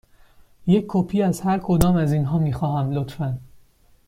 یک کپی از هر کدام از اینها می خواهم، لطفاً.